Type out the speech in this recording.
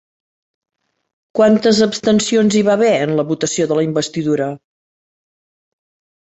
Quantes abstencions hi va haver en la votació de la investidura?